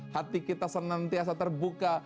hati kita senantiasa terbuka